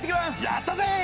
やったぜ！